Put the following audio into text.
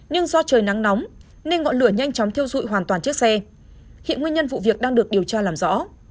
nhưng do trời nắng nóng nên ngọn lửa nhanh chóng thiêu dụi hoàn toàn chiếc xe hiện nguyên nhân vụ việc đang được điều tra làm rõ